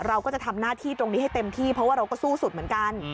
เราก็จะทำหน้าที่ตรงนี้ให้เต็มที่เพราะว่าเราก็สู้สุดเหมือนกัน